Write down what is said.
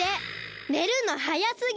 ねるのはやすぎ！